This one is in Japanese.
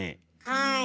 はい。